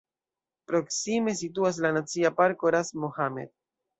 Proksime situas la nacia parko "Ras Mohammed".